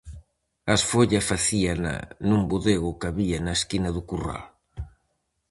A esfolla facíana nun bodego que había na esquina do curral.